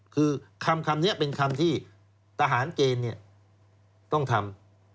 คือคำนี้เป็นคำที่ทหารเกณฑ์ต้องทำ